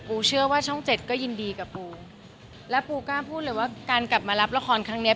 เชื่อว่าช่องเจ็ดก็ยินดีกับปูและปูกล้าพูดเลยว่าการกลับมารับละครครั้งเนี้ย